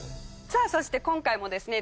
さあそして今回もですね